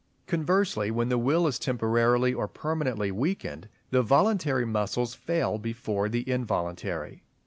Conversely, when the will is temporarily or permanently weakened, the voluntary muscles fail before the involuntary.